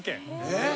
えっ！？